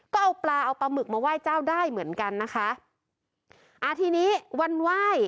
ก็เอาปลาเอาปลาหมึกมาไหว้เจ้าได้เหมือนกันนะคะอ่าทีนี้วันไหว้